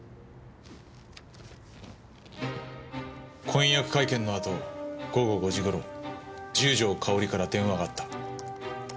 婚約会見のあと午後５時頃十条かおりから電話があった。